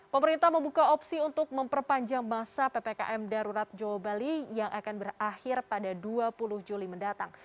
pemerintah membuka opsi untuk memperpanjang masa ppkm darurat jawa bali yang akan berakhir pada dua puluh juli mendatang